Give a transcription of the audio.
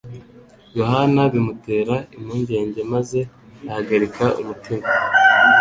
Yohana bimutera impungenge maze ahagarika umutima.